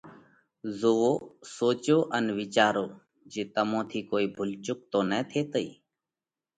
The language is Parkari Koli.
زوئو، سوچو ان وِيچارو جي تمون ٿِي ڪوئي ڀُول چُڪ تو نه ٿيتئِي!